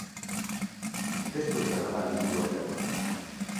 Testu esana da liburu honetakoa.